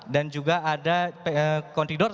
dan juga ada kontidor